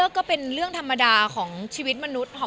ก็เป็นเรื่องธรรมดาของชีวิตมนุษย์